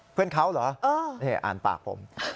เพื่อนเขาเหรอนี่อ่านปากผม